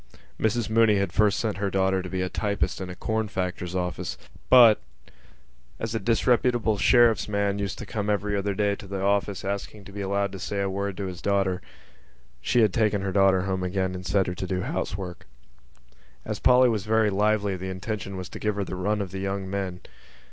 Mrs Mooney had first sent her daughter to be a typist in a corn factor's office but, as a disreputable sheriff's man used to come every other day to the office, asking to be allowed to say a word to his daughter, she had taken her daughter home again and set her to do housework. As Polly was very lively the intention was to give her the run of the young men.